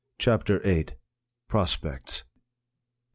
CHAPTER VIII. PROSPECTS.